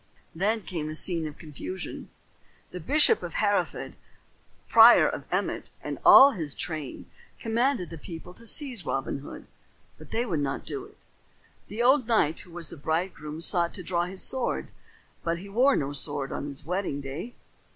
Then came a scene of confusion. The bishop of Hereford, the prior of Emmet and all his train commanded the people to seize Robin Hood, but they would not do it. The old knight who was the bridegroom sought to draw his sword, but he wore no sword on his wedding day.